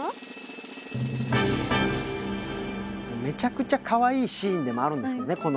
めちゃくちゃかわいいシーンでもあるんですけどね。